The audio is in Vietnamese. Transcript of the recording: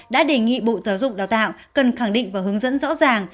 đã đề nghị bộ giáo dục đào tạo cần khẳng định và hướng dẫn rõ ràng